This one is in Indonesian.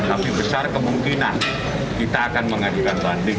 tapi besar kemungkinan kita akan mengajukan banding